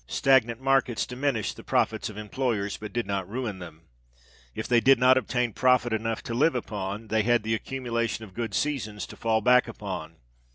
Stagnant markets diminished the profits of employers, but did not ruin them: if they did not obtain profit enough to live upon, they had the accumulations of good seasons to fall back upon.